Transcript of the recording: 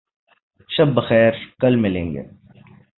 شب بخیر. کل ملیں گے